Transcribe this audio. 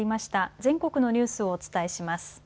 全国のニュースをお伝えします。